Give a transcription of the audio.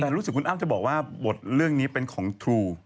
แต่รู้สึกคุณอ้ำจะบอกว่าบทเรื่องนี้เป็นของทรู